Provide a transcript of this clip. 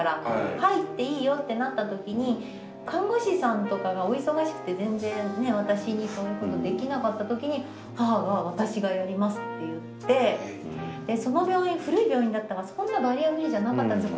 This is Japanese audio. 「入っていいよ」ってなった時に看護師さんとかがお忙しくて全然ね私にそういうことできなかった時にその病院古い病院だったのでそんなバリアフリーじゃなかったんですよ。